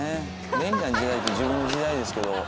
便利な時代って自分の時代ですけど。